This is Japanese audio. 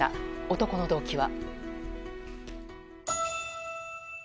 男の動機は。